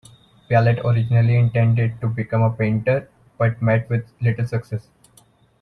Pialat originally intended to become a painter, but met with little success.